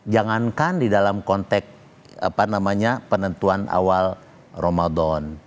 jangankan di dalam konteks penentuan awal ramadan